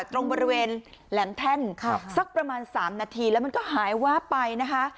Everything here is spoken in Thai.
ตรงบริเวณแหลมแท่นสักประมาณ๓นาทีแล้วมันก็หายวาบไปนะคะ